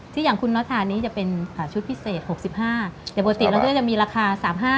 อย่างคุณนอทานี้จะเป็นชุดพิเศษ๖๕แต่ปกติเราก็จะมีราคา๓๕